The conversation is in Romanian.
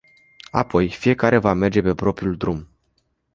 Apoi, fiecare va merge pe propriul drum.